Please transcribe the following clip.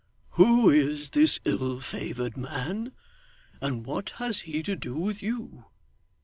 Who is this ill favoured man, and what has he to do with you?